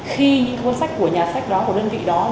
khi những cuốn sách của nhà sách đó của đơn vị đó